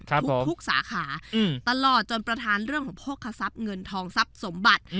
ทุกสาขาตลอดจนประธานเรื่องของโภคทรัพย์เงินทองทรัพย์สมบัติ